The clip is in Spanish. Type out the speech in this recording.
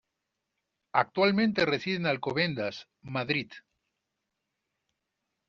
Actualmente reside en Alcobendas, Madrid.